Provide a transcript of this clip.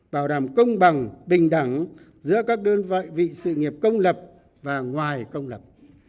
bảo đảm công bằng bình đẳng giữa các đơn vị vị sự nghiệp công lập và ngoài công lập